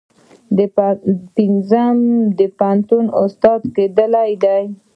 پنځم د پوهنتون استاد کیدل دي.